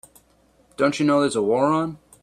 Don't you know there's a war on?